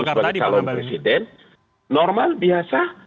kalau itu adalah ketua umum sebagai calon presiden normal biasa